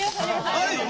あるよね！